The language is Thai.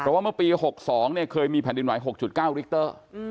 เพราะว่าเมื่อปี๖๒เคยมีแผ่นดินไหว๖๙ลิกเตอร์